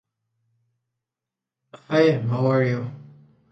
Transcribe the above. Resources were also requested from other federal forces.